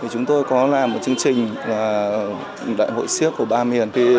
chúng tôi có làm một chương trình đại hội siếc của ba miền